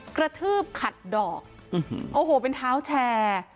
กระทืบขัดดอกโอ้โหเป็นเท้าแชร์